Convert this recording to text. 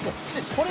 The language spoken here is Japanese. これ」